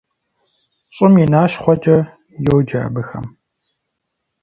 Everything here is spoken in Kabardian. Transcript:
«ЩӀым и нащхъуэхэкӀэ» йоджэ абыхэм.